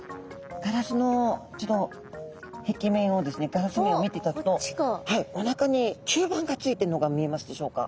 ガラス面を見ていただくとおなかに吸盤がついているのが見えますでしょうか？